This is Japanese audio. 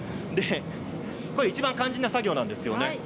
いちばん肝心な作業なんですよね。